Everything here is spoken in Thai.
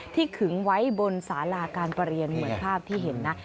ขึงไว้บนสาราการประเรียนเหมือนภาพที่เห็นนะ